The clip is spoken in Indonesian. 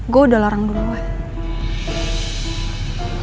gue udah larang duluan